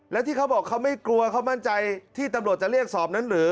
แล้วที่เขาบอกเขาไม่กลัวเขามั่นใจที่ตำรวจจะเรียกสอบนั้นหรือ